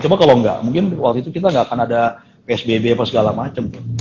coba kalau gak mungkin waktu itu kita gak akan ada psbb apa segala macem